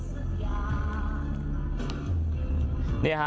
เป็นใส่วันที่แสงดีในเมียา